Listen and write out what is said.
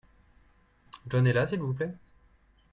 John est là s'il vous plait ?